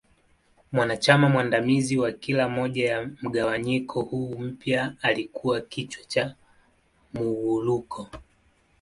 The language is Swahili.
Mwanachama mwandamizi wa kila moja ya mgawanyiko huu mpya alikua kichwa cha Muwuluko.